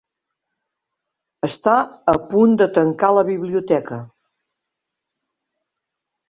Està apunt de tancar la biblioteca.